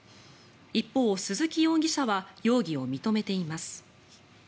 一方、鈴木容疑者は容疑を認めています。